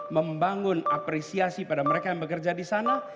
membangun apresiasi pada mereka yang bekerja di sana